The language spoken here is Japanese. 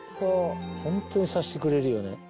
ホントにさしてくれるよね。